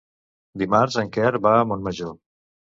Dimarts en Quer va a Montmajor.